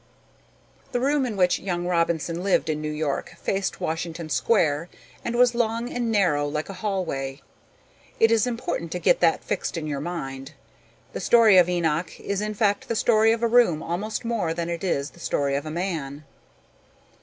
The room in which young Robinson lived in New York faced Washington Square and was long and narrow like a hallway. It is important to get that fixed in your mind. The story of Enoch is in fact the story of a room almost more than it is the story of a man.